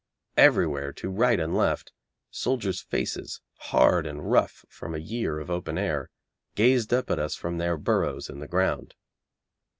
Everywhere, to right and left, soldiers' faces, hard and rough from a year of open air, gazed up at us from their burrows in the ground.